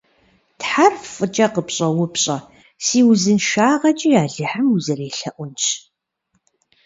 Тхьэр фӀыкӀэ къыпщӀэупщӀэ, – си узыншагъэкӀи Алыхьым узэрелъэӀунщ.